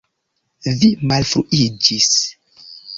Vi malfruiĝis!